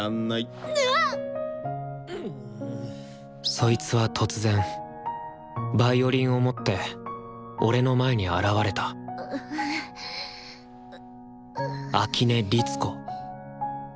そいつは突然ヴァイオリンを持って俺の前に現れた秋音律子。